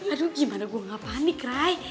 aduh gimana gue gak panik ray